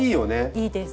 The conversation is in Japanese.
いいです。